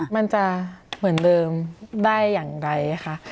มันจะเหมือนเดิมได้อย่างไรค่ะ